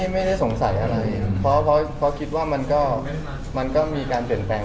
อย่างตัวพี่โป๊บถามเรื่อง